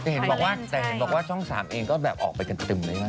แต่เห็นบอกว่าแสดงช่องสามเองก็ออกไปกันติมเลย